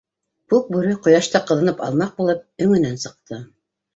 Күкбүре, ҡояшта ҡыҙынып алмаҡ булып, өңөнән сыҡты.